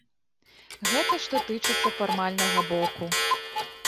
Гэта што тычыцца фармальнага боку.